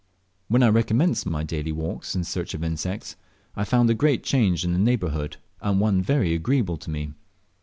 When I recommenced my daily walks in search of insects, I found a great change in the neighbourhood, and one very agreeable to me.